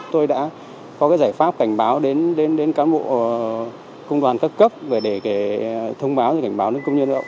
tôi đã có cái giải pháp cảnh báo đến cán bộ công đoàn cấp cấp để thông báo cảnh báo nước công nhân